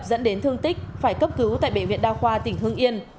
dẫn đến thương tích phải cấp cứu tại bệ viện đa khoa tỉnh hương yên